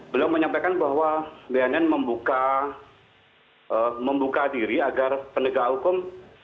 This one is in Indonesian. beliau menyampaikan bahwa bnn membuka diri agar penegak hukum